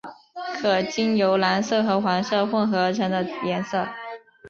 可经由蓝色和黄色混和而成的颜色。